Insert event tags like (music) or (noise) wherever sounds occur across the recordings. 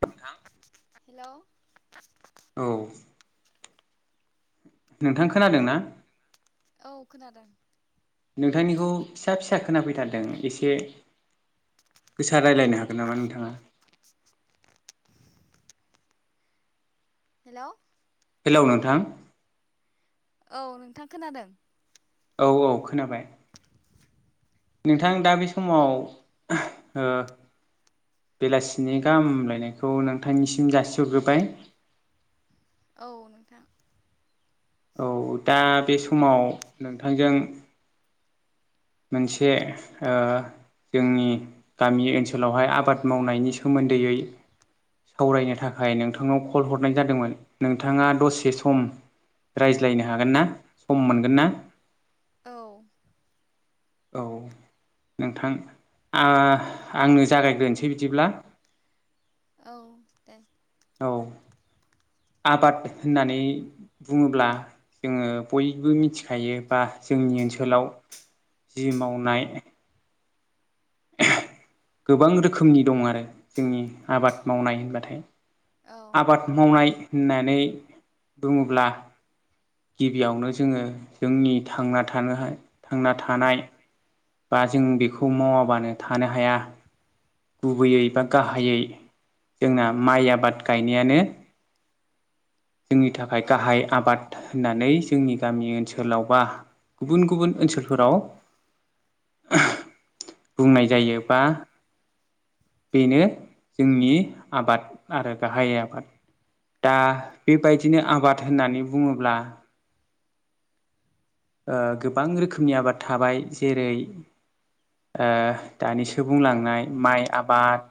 नोंथां हेल'? औ नोंथां खोनादोंना? औ खोनादों। नोंथांनिखौ फिसा फिसा खोनाफैथारदों एसे? गोसा रायज्लायनो हागोन नामा नोंथांङा? हेल' हेल' नोंथां। औ नोंथां खोनादों। औ -औ खोनाबाय। नोंथां दा बे समाव ओ बेलासिनि गाहामलायनायखौ नोंथांनिसिम जासिहरग्रोबाय। औ नोंथां। औ दा बे समाव नोंथांजों मोनसे जोंनि गामि ओनसोलावहाय आबाद मावनायनि सोमोन्दैयै सावरायनो थाखाय नोंथांनाव कल हरनाय जादोंमोन? नोंथांङा दसे सम रायज्लायनो हागोन ना सम मोनगोन ना? औ। औ नोंथां आं आंनो जागायग्रोनोसै बिदिब्ला। औ दे। औव आबाद होननानै बुंङोब्ला जोंङो बयबो मिथिखायो बा जोंनि ओनसोलाव जि मावनाय गोबां रोखोमनि दं आरो। जोंनि आबाद मावनायनि होनबाथाय। औ आबाद मावनाय होननानै बुङोब्ला गिबियावनो जोङो जोंनि थांना थानो थांना थानाय बा जों बेखौ मावाबानो थानो हाया गुबैयै बा गाहायै जोंना माइ आबाद गायनायानो जोंनि थाखाय औ गाहाय आबाद होननानै जोंनि गामि ओनसोलाव बा गुबुन -गुबुन ओनसोलफोराव बुंनाय जायो बा बेनो जोंनि आबाद आरो गाहाय आबाद दा बेबायदिनो आबाद होननानै बुङोब्ला ओ गोबां रोखोमनि आबाद थाबाय जेरै ओ दानिसो बुंलांनाय माइ आबाद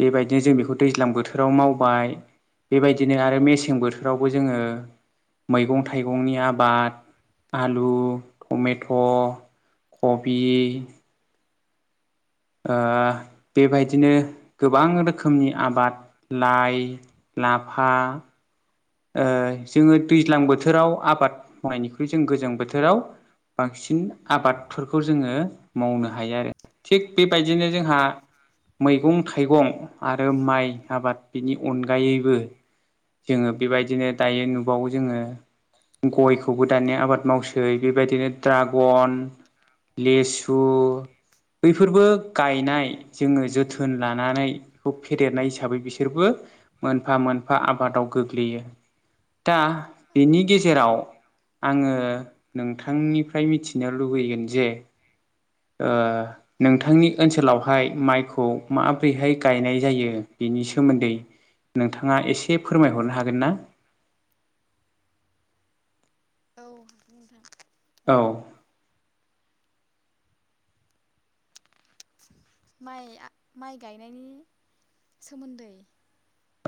बेबायदिनो जों बेखौ दैज्लां बोथोराव मावबाय बेबायदिनो आरो मेसें बोथोरावबो जोङो मैगं थाइगंनि आबाद आलु, टमेट, ' कबि, ओ बेबायदिनो गोबां रोखोमनि आबाद लाइ लाफा ओ जोङो दैज्लां बोथोराव आबाद मावनायनिख्रुइ जों गोजां बोथोराव बांसिन आबादफोरखौ जोङो मावनो हायो आरो थिग बेबायदिनो जोंहा मैगं थाइगं आरो माइ आबाद बिनि अनगायैबो जोङो बेबायदिनो दायो नुबावो जोङो गयखौबो दानि आबाद मावसै। बेबायदिनो ड्रागन लेसु बैफोरबो गायनाय जोङो जोथोन लानानै बेखौ फेदेरनाय हिसाबै बिसोरबो मोनफा- मोनफा आबादाव गो ग्लैयो दा बेनि गेजेराव आङो नोंथांनिफ्राय मिथिनो लुबैगोन जे ओ नोंथांनि ओनसोलावहाय माइखौ माबोरैहाय गायनाय जायो बेनि सोमोन्दै नोंथाङा एसे फोरमायहरनो हागोन ना? औ नोंथां औ माइआ माइ गायनायनि सोमोन्दै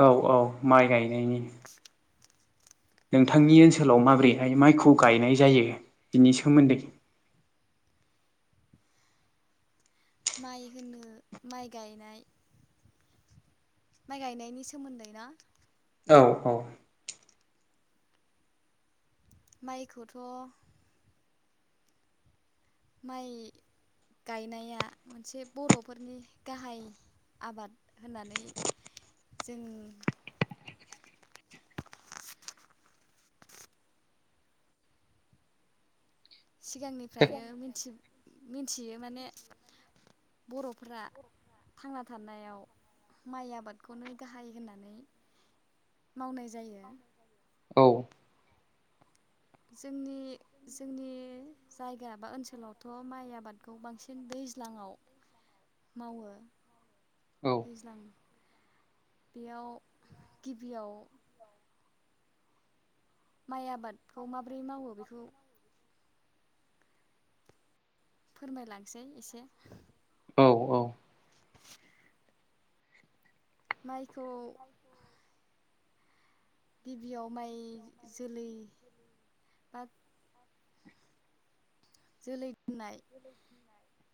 औ -औ माइ गायनायनि नोंथांनि ओनसोलाव माबोरैहाय माइखौ गायनाय जायो बिनि सोमोन्दै माइ होनो माइ गायनाय माइ गायनायनि सोमोन्दै ना? औ औ। माइखौथ' माइ गायनाया मोनसे बर'फोरनि गाहाय आबाद होनानै जों सिगांनिफ्रायनोथि मिथियो माने बर'फ्रा थांना थानायाव माइ आबादखौनो गाहाय होननानै मावनाय जायो औ जोंनि जोंनि जायगा बा ओनसोलावथ' माइ आबादखौ बांसिन दैज्लांङाव मावो औ दैज्लां बेयाव गिबियाव माइ आबादखौ माबोरै मावो बेखौ फोरमायलांसै एसे औ माइखौ गिबियाव माइ जोलै बा जोलै दोननाय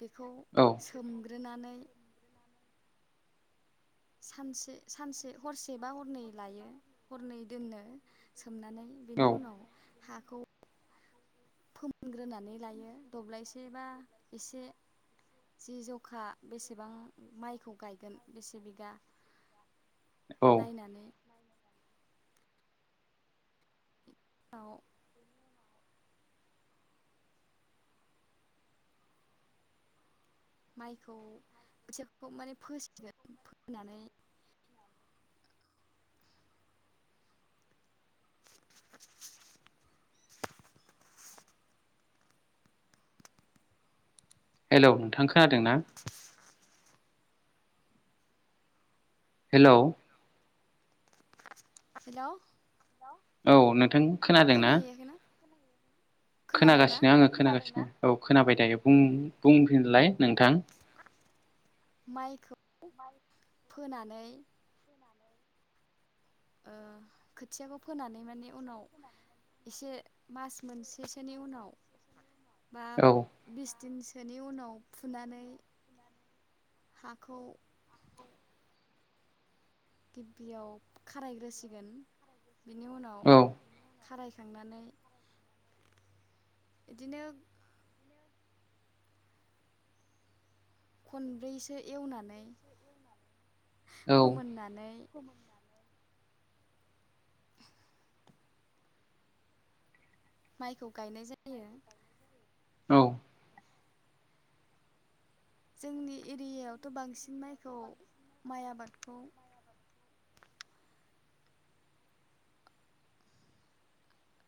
बेखौ औ सोमग्रोनानै सानसे सानसे हरसेबा हरनै लायो हरनै दोनो सोमनानै। औ बेनि उनाव हाखौ फोमोनग्रोनानै लायो, दब्लायसे बा एसे जि जखा बेसेबां माइखौ गायगोन बेसे बिगा औ नायनानै। उनाव माइखौ खोथियाखौ माने फोसिगोन, फोनानै हेलौ नोंथां खोनादोंना? हेलौ? हेलव! औ नोंथां। खोनाहैयाखै ना? खोनागासिनो आङो, खोनागासिनो औ खोनाबाय दायो। बुं-बुंफिनलाय नोंथां। माइखौ फोनानै ओ खोथियाखौ फोनानै माने उनाव एसे मास मोनसेसोनि उनाव बा औ बिस दिनसोनि उनाव फुनानै हाखौ गिबियाव खारायग्रोसिगोन। बेनि उनाव औ खारायखांनानै इदिनो खनब्रैसो एवनानै, औ फोमोननानै माइखौ गायनाय जा यो। औ। जोंनि एरियायावथ' बांसिन माइखौ माइ आबादखौ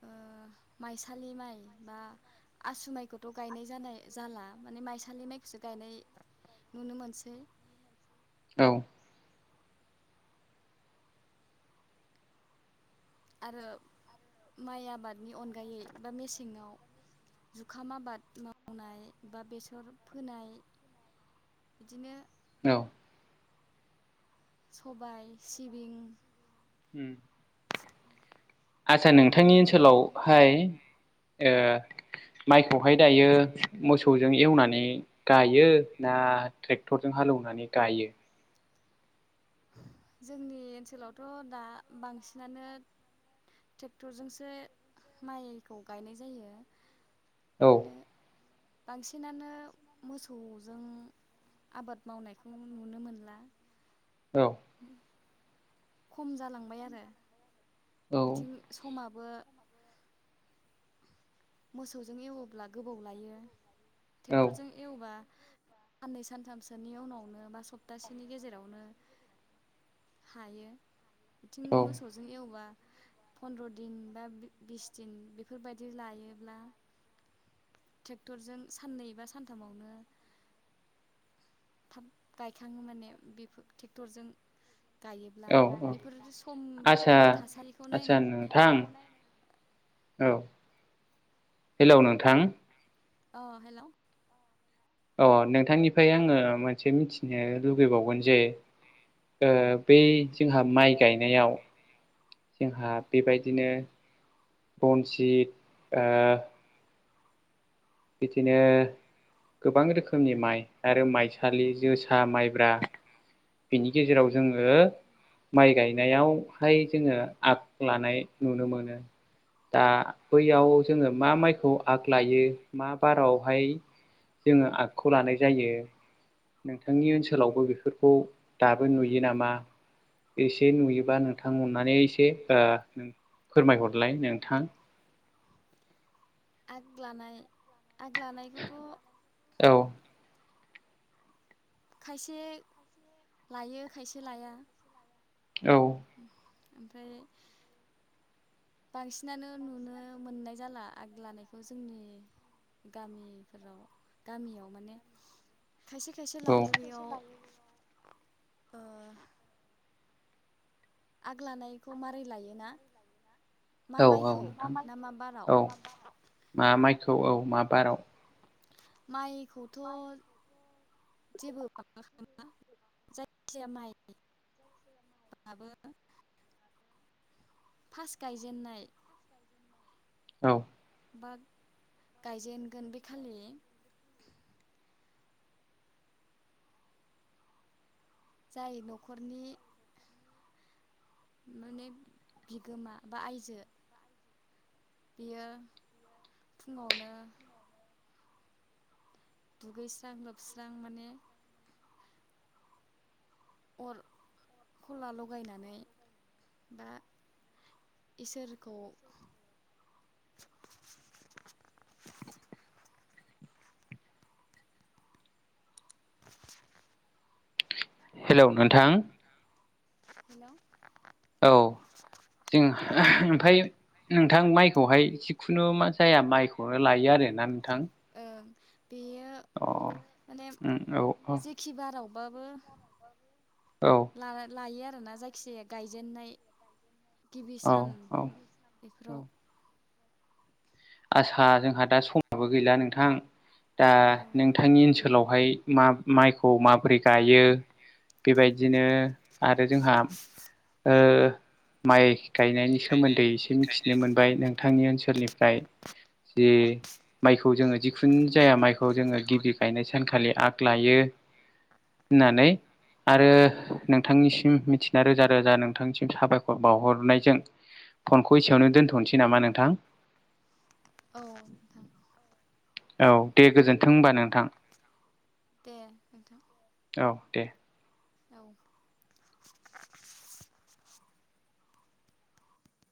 ओ माइसालि माइ बा आसु माइखौथ' गायनाय जानाय जाला माने माइसालि माइखौसो गायनाय नुनो मोनसै। औ। आरो माइ आबादनि अनगायै बा मेसेङाव जुखाम आबाद मावनाय बा बेसर फोनाय बिदिनो औ। सबाइ, सिबिं आतसा नोंथांनि मैगं थाइगं ओनसोलावहाय ओ माइखौहाय दायो मोसौजों एवनानै गायो ना ट्रेक्टरजों हालौनानै गायो? जोंनि ओनसोलावथ' दा बांसिनानो ट्रेक्टरजोंसो माइखौ गायनाय जायो। औ माने बांसिनानो मोसौजों आबाद मावनायखौ नुनो मोनला। औ। (inaudible) खम जालांबाय आरो औ बिथिं समाबो मोसौजों एवोब्ला गोबाव लायो, औ ट्रेक्टरजों एवबा साननै सानथामसोनि उनावनो बा सप्तासेनि गेजेरावनो हायो बिथिं औ मोसौजों एवबा फन्द्र दिन बा बि बिस दिन बेफोरबादि लायोब्ला ट्रेक्टरजों साननै बा सानथामावनो थाब गायखाङो माने बेफोर ट्रेक्टरजों गायोब्ला औ औ बेफोर आदसा समफोर थासारिखौ नायना आदसा नोंथां औ हेलौ नोंथां अ हेल'। अ नोंथांनिफ्राय आङो मोनसे मिथिनो लुगैबावगोन जे- आ बै जोंहा माइ गायनायाव जोंहा बेबायदिनो रनजित ओ बिदिनो गोबां रोखोमनि माइ आरो माइसालि जोसा माइब्रा बिनि गेजेराव उम जोङो माइ गायनायावहाय जोङो आग लानाय नुनो मोनो दा बैयाव जोङो मा माइखौ आग लायो। मा बारावहाय जोङो आगखौ लानाय जायो। नोंथांनि ओनसोलावबो बेफोरखौ दाबो नुयो नामा? एसे नुयोबा नोंथां अननानै एसे आ फोरमायहरलाय नोंथां। आग लानाय आग लानायखौथ' औ खायसे लायो खायसे लाया औ ओमफ्राय बांसिनानो नुनो मोननाय जाला आग लानायखौ जोंनि गामिफोराव गामियाव माने खायसे खायसे औ लायो बेयाव ओ आग लानायखौ मारै लायोना मा औ औ माइखौ नोंथां ना मा औ बाराव मा माइखौ औ मा बाराव माइखौथ' जेबो माबा खालामा जायखिजाया माइ आबो फास गायजेनन्नाय औ बा गायजेनगोन बे खालि जाय न'खरनि माने बिगोमा बा आयजो बेयो फुङावनो दुगैस्रां लोबस्रां माने आरो खला लगायनानै दा इसोरखौ हेलौ नोंथां। हेलौ औ जों ओमफ्राय नोंथां माइखौहाय जिखुनु मा जाया माइखौनो लायो आरोना नोंथां। ओ बेयो अ माने उम औ औ जेखि बारावबाबो औ। लायो आरोना जायखिजाया गायजेन्नाय गिबि औ सान औ बेफोराव औ आसा जोंहा दा समाबो गैला नोंथां। दा औ नोंथांनि ओनसोलावहाय मा माइखौ माबोरै गायो। बे बायदिनो आरो जोंहा माइ गायनायनि सोमोन्दै। मिथिनो मोनबाय नोंथांनि ओनसोलनिफ्राय (inaudible) माइखौ जोङो जिखुनु जाया माइखौ जोङो गिबि गायनाय सानखालि आग लायो। होननानै आरो नोंथांनिसिम मिथि नना रोजा रोजा नोंथांसिम साबायखर बावहरनायजों फनखौ एसेयावनो दोन्थ'नोसै नामा नोंथां। औ नोथां। औ दे गोजोन्थों होनबा नोंथां। दे नोंथां। औ दे। औ।